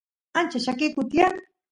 ancha llakikun tiyan